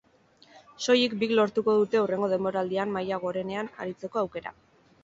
Soilik bik lortuko dute hurrengo denboraldian maila gorenean aritzeko aukera.